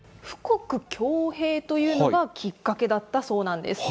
富国強兵というのがきっかけだったそうなんです。